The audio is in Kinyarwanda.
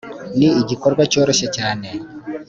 ni igikorwa cyoroshye cyane